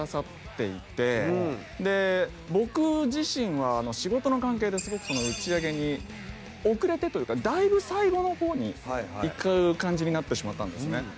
僕自身は仕事の関係ですごくその打ち上げに遅れてというかだいぶ最後の方に行く感じになってしまったんですね。